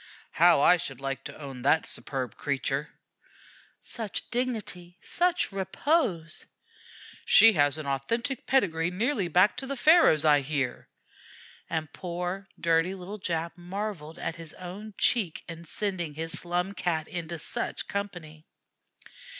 "How I should like to own that superb creature!" "Such dignity such repose!" "She has an authentic pedigree nearly back to the Pharaohs, I hear"; and poor, dirty little Jap marvelled at his own cheek in sending his Slum Cat into such company.